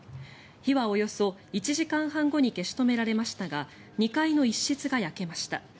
火はおよそ１時間半後に消し止められましたが２階の一室が焼けました。